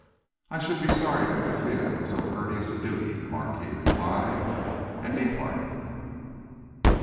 "I should be sorry to interfere with so courteous a duty," the Marquis replied and departed.